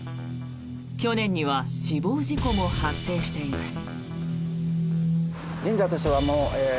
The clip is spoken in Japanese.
去年には死亡事故も発生しています。